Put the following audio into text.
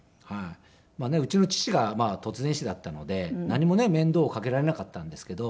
まあねうちの父が突然死だったので何もね面倒をかけられなかったんですけど。